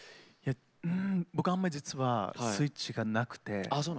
僕、あんまり実はスイッチがなくて。